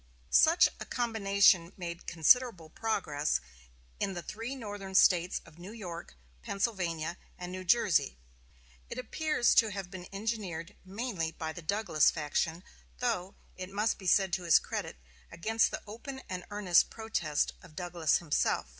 Such a combination made considerable progress in the three Northern States of New York, Pennsylvania, and New Jersey. It appears to have been engineered mainly by the Douglas faction, though, it must be said to his credit, against the open and earnest protest of Douglas himself.